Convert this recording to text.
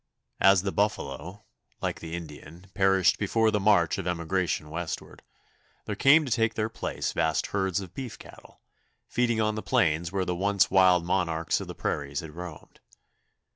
As the buffalo, like the Indian, perished before the march of emigration westward, there came to take their place vast herds of beef cattle, feeding on the plains where the once wild monarchs of the prairies had roamed.